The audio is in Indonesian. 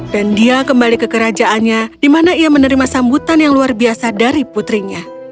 dan dia kembali ke kerajaannya di mana ia menerima sambutan yang luar biasa dari putrinya